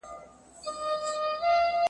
لیکل د خبرو کولو مهارت هم پیاوړی کوي.